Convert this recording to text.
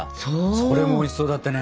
それもおいしそうだったね。